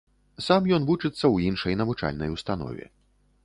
Сам ён вучыцца ў іншай навучальнай установе.